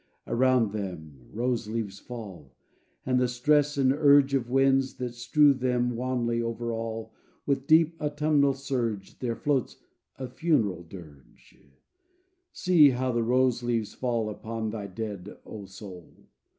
Around them rose leaves fall And in the stress and urge Of winds that strew them wanly over all, With deep, autumnal surge, There floats a funeral dirge: "See how the rose leaves fall Upon thy dead, O soul!